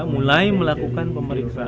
mulai melakukan pemeriksaan